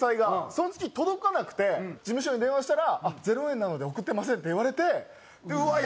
その月届かなくて事務所に電話したら「０円なので送ってません」って言われてうわっ！